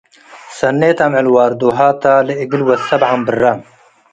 ሰኔት አምዕል ዋርዶሃታ - ለእግል ወድ አብ ዐምብራ